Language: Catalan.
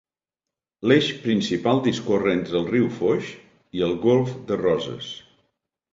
L'eix principal discorre entre el riu Foix i el golf de Roses.